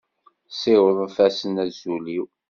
Siwḍet-asen azul-iw.